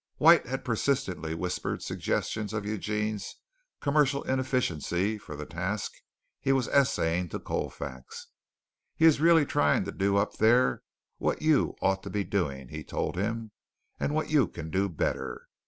White had persistently whispered suggestions of Eugene's commercial inefficiency for the task he was essaying to Colfax. "He is really trying to do up there what you ought to be doing," he told him, "and what you can do better.